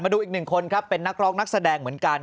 ดูอีกหนึ่งคนครับเป็นนักร้องนักแสดงเหมือนกัน